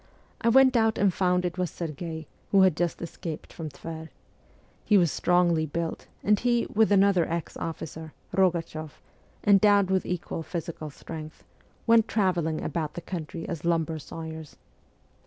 I went out and found it was Serghei, who had just escaped from Tver. He was strongly built, and he, with another ex officer, Rogachoff, endowed with equal physical strength, went travelling about the country as lumber sawyers.